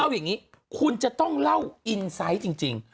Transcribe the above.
เอาอย่างนี้คุณจะต้องเล่าอินไซต์จริง